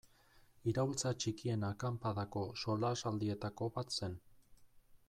Iraultza Txikien Akanpadako solasaldietako bat zen.